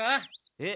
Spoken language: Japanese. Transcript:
えっ？